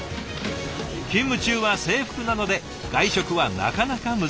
勤務中は制服なので外食はなかなか難しい。